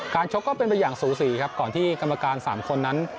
ชกก็เป็นไปอย่างสูสีครับก่อนที่กรรมการ๓คนนั้น